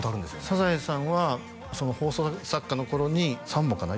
「サザエさん」は放送作家の頃に３本かな？